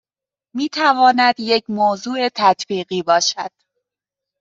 میتواند یک موضوع تطبیقی باشد